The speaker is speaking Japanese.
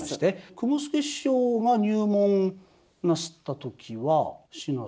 雲助師匠が入門なすった時は志乃さんは。１２歳。